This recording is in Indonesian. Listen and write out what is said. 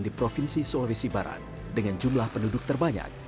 di provinsi sulawesi barat dengan jumlah penduduk terbanyak